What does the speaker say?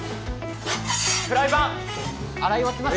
フライパン洗い終わってます